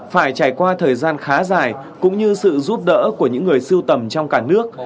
phải trải qua thời gian khá dài cũng như sự giúp đỡ của những người sưu tầm trong cả nước